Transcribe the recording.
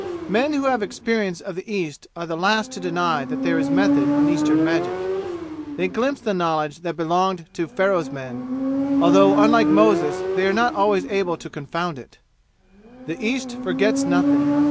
Men who have experience of the East are the last to deny that there is method in Eastern magic; they glimpse the knowledge that belonged to Pharaoh's men, although unlike Moses they are not always able to confound it. The East forgets nothing.